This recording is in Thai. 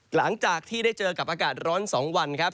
หลังจากที่ได้เจอกับอากาศร้อน๒วันครับ